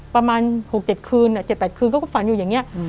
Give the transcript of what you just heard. ประมาณ๖๗คืน๗๘คืนเขาก็ฝันอยู่อย่างนี้